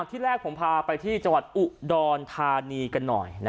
ที่แรกผมพาไปที่จังหวัดอุดรธานีกันหน่อย